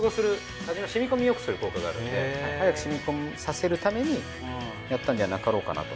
味の染み込みよくする効果があるんで早く染み込まさせるためにやったんじゃなかろうかなと。